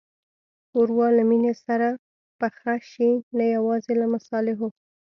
ښوروا له مینې سره پخه شي، نه یوازې له مصالحو.